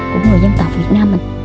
của người dân tộc việt nam mình